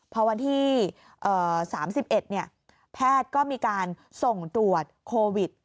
พอวันที่๓๑แพทย์ก็มีการส่งตรวจโควิด